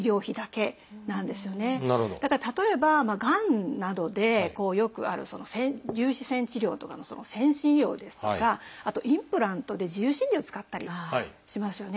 だから例えばがんなどでよくある粒子線治療とかの先進医療ですとかあとインプラントで自由診療を使ったりしますよね。